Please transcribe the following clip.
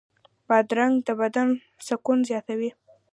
بادرنګ د بدن سکون زیاتوي.